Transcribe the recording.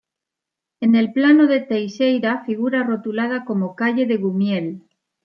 En el plano de Teixeira figura rotulada como ‘calle de Gumiel’.